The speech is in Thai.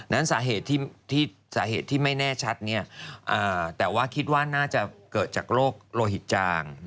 นั้นสาเหตุที่สาเหตุที่ไม่แน่ชัดแต่ว่าคิดว่าน่าจะเกิดจากโรคโลหิตจาง